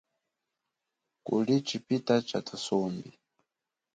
Kuli chipita cha thusumbi.